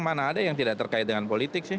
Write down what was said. mana ada yang tidak terkait dengan politik sih